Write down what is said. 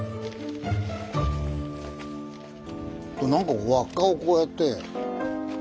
これなんか輪っかをこうやって。